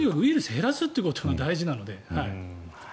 ウイルスを減らすことが大事なので。